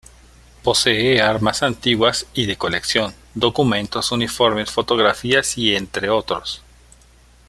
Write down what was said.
Posee armas antiguas y de colección, documentos, uniformes, fotografías y entre otros.